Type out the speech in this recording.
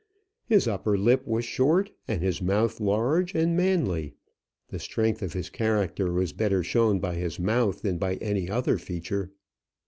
His upper lip was short, and his mouth large and manly. The strength of his character was better shown by his mouth than by any other feature.